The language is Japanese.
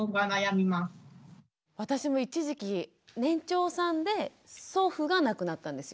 私も一時期年長さんで祖父が亡くなったんですよ。